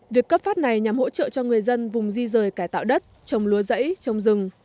việc cấp phát này nhằm hỗ trợ cho người dân vùng di rời cải tạo đất trồng lúa rẫy trồng rừng